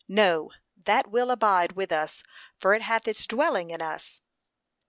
No, that will abide with us, for it hath its dwelling in us.